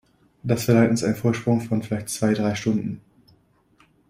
Das verleiht uns einen Vorsprung von vielleicht zwei, drei Stunden.